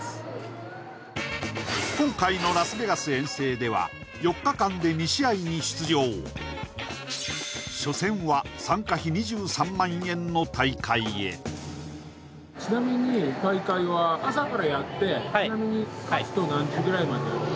今回のラスベガス遠征では４日間で２試合に出場初戦は参加費２３万円の大会へちなみに大会は朝からやって勝つと何時ぐらいまでやる？